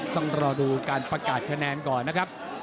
ต้องรอดูการประกาศคะแนนก่อนนะครับ